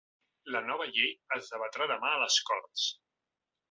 La nova llei es debatrà demà a les corts.